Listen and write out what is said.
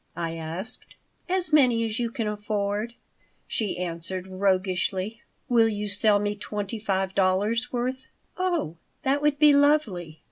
I asked "As many as you can afford," she answered, roguishly "Will you sell me twenty five dollars' worth?" "Oh, that would be lovely!"